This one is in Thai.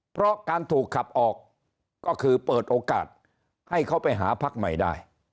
เพราะการถูกขับออกก็คือเปิดโอกาสให้เขาไปหาพักใหม่ได้